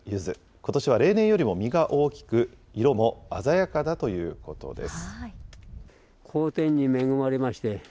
ことしは例年よりも実が大きく、色も鮮やかだということです。